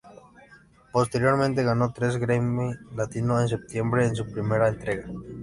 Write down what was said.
Posteriormente ganó tres Grammy Latino en septiembre, en su primera entrega.